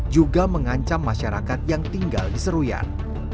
juga mengancam masyarakat yang tinggal di seruyan